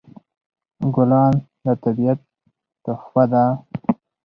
ګلان د طبیعت تحفه ده.